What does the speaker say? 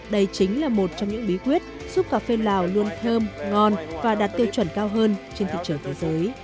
đây chính là một trong những bí quyết giúp cà phê lào luôn thơm ngon và đạt được sức khỏe